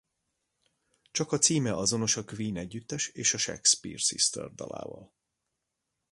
Csak a címe azonos a Queen együttes és a Shakespeare Sister dalával.